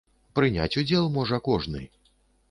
Прыняць удзел можа кожны.